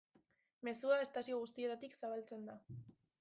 Mezua estazio guztietatik zabaltzen da.